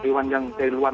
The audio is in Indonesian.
hewan yang dari luar